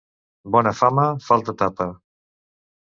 Bona fama, falta tapa.